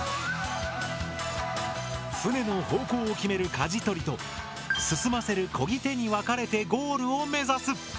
舟の方向を決めるかじ取りと進ませるこぎ手に分かれてゴールを目指す。